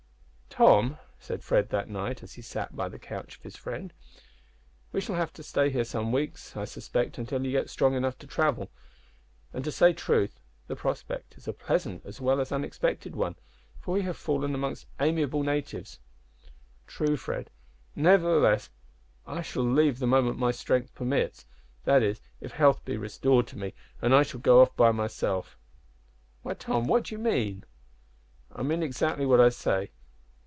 "Tom," said Fred that night, as he sat by the couch of his friend, "we shall have to stay here some weeks, I suspect until you get strong enough to travel, and, to say truth, the prospect is a pleasant as well as an unexpected one, for we have fallen amongst amiable natives." "True, Fred. Nevertheless I shall leave the moment my strength permits that is, if health be restored to me and I shall go off by myself." "Why, Tom, what do you mean?" "I mean exactly what I say.